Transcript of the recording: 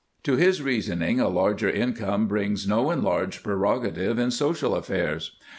To his reasoning a larger income brings no enlarged prerogative in social affairs.